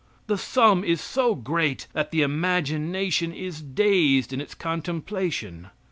The sum is so great that the imagination is dazed in its contemplation.